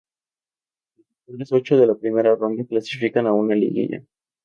Los mejores ocho de la primera ronda clasifican a una liguilla.